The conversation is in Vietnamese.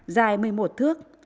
dài một mươi một thước